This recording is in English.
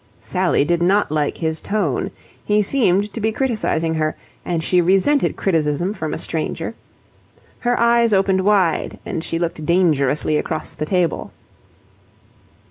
Sally did not like his tone. He seemed to be criticizing her, and she resented criticism from a stranger. Her eyes opened wide and she looked dangerously across the table.